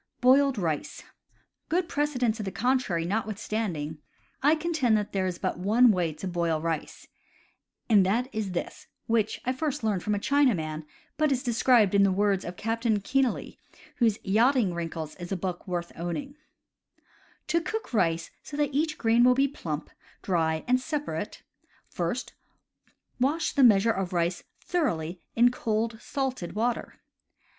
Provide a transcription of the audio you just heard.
Boiled Rice. — Good precedent to the contrary not withstanding, I contend that there is but one way to boil rice, and that is this (which I first learned from a Chinaman, but is described in the words of Captain Kenealy, whose Yachting Wrinkles is a book worth owning) : To cook rice so that each grain will be plump, dry, and separate, first, wash the measure of rice thoroughly in cold salted water.